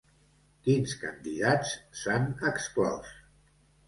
Quins candidats s’han exclòs?